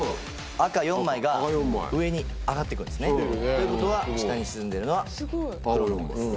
赤４枚が上に上がって来るんですね。ということは下に沈んでるのは青４枚です。